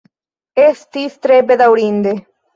Estis tre bedaŭrinde.